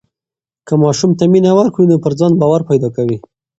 که ماشوم ته مینه ورکړو نو پر ځان باور پیدا کوي.